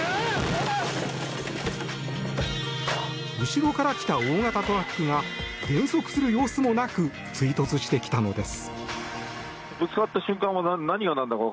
後ろから来た大型トラックが減速する様子もなく追突してきたのです。